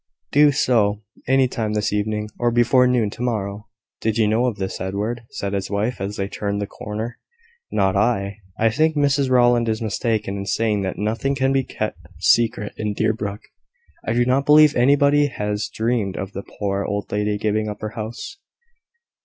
"Do so; any time this evening, or before noon to morrow." "Did you know of this, Edward?" said his wife, as they turned the corner. "Not I. I think Mrs Rowland is mistaken in saying that nothing can be kept secret in Deerbrook. I do not believe anybody has dreamed of the poor old lady giving up her house."